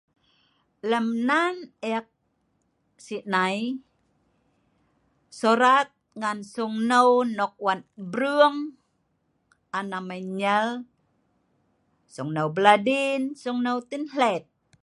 lem nan eek si' nai, sorat ngan songnou nok wan brueng an amai nyel, songnau Bladin songnou Tenhlet